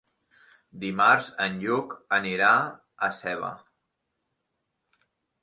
Dimarts en Lluc anirà a Seva.